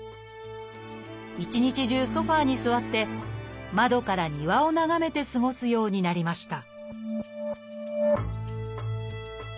一日中ソファーに座って窓から庭を眺めて過ごすようになりました